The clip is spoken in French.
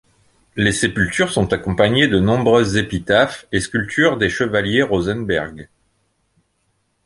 Les sépultures sont accompagnées de nombreuses épitaphes et sculptures des chevaliers Rosenberg.